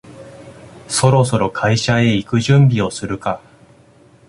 そろそろ会社へ行く準備をするか